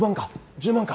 １０万か？